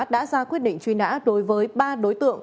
đã ra quyết định truy nã đối với ba đối tượng